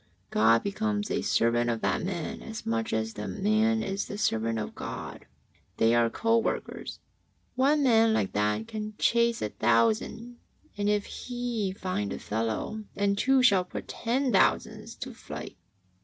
God becomes a servant of that man as much as that man is the servant of God. They are co workers. One man like that can chase a thousand, and if he find a fellow, the two shall put ten thousand to flight.